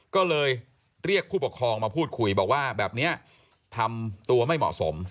ก็เลยเรียกผู้ปกครองมาพูดคุยบอกว่าแบบนี้ทำตัวไม่เหมาะสม